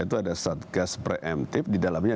itu ada satgas pre emptive di dalamnya